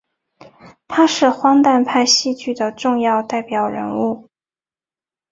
他是荒诞派戏剧的重要代表人物。